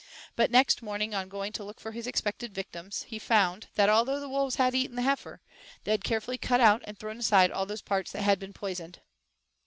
But next morning, on going to look for his expected victims, he found that, although the wolves had eaten the heifer, they had carefully cut out and thrown aside all those parts that had been poisoned.